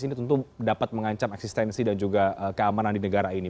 ini tentu dapat mengancam eksistensi dan juga keamanan di negara ini